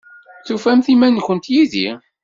Tufamt iman-nkent yid-i?